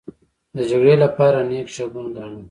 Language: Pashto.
د جګړې لپاره نېک شګون گاڼه.